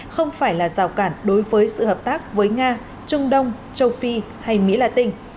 không phải là rào cản đối với sự hợp tác với nga trung đông châu phi hay mỹ la tinh